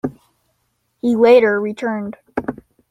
He later returned.